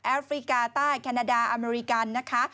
ฟริกาใต้แคนาดาอเมริกันนะคะ